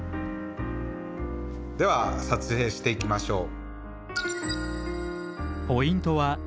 では撮影していきましょう。